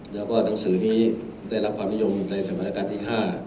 แล้วก็หนังสือนี้ได้รับความนิยมในสถานการณ์ที่๕